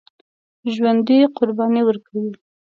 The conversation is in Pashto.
ژوندي قرباني ورکوي